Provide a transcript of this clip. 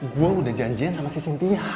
gue udah janjian sama si suntinya